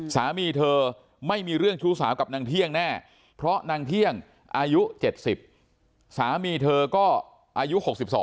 สามีเธอไม่มีเรื่องชู้สาวกับนางเที่ยงแน่เพราะนางเที่ยงอายุ๗๐สามีเธอก็อายุ๖๒